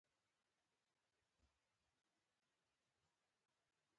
د ګني شیره د څه لپاره وکاروم؟